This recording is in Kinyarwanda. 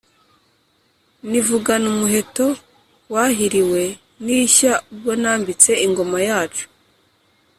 nivugana umuheto wahiliwe n'ishya ubwo nambitse ingoma yacu.